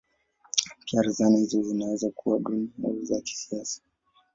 Pia zana hizo zinaweza kuwa duni au za kisasa.